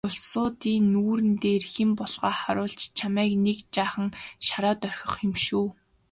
Улсуудын нүүр дээр хэн болохоо харуулж чамайг нэг жаахан шараад орхих юм шүү.